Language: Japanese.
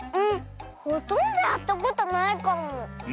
んほとんどやったことないかも。